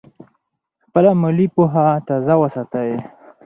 خپله مالي پوهه تازه وساتئ.